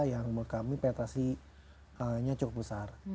yang menurut kami petasinya cukup besar